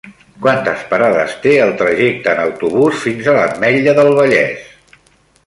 Quantes parades té el trajecte en autobús fins a l'Ametlla del Vallès?